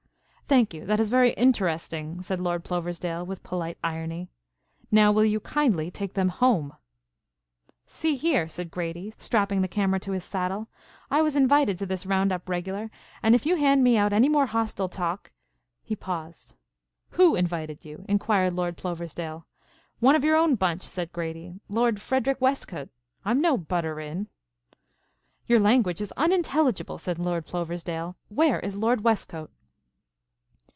"Thank you, that is very interesting," said Lord Ploversdale, with polite irony. "Now will you kindly take them home?" "See here," said Grady, strapping the camera to his saddle, "I was invited to this round up regular, and if you hand me out any more hostile talk " He paused. "Who invited you?" inquired Lord Ploversdale. "One of your own bunch," said Grady, "Lord Frederic Westcote. I'm no butter in." "Your language is unintelligible," said Lord Ploversdale. "Where is Lord Westcote?"